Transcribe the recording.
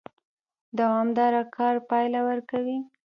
دوامدار کار پایله ورکوي